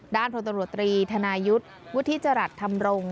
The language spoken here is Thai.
ด้านโทษตำรวจตรีธนายุทธิจรัทธรรมรงค์